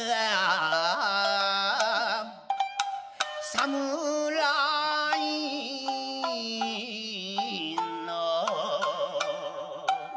「侍の」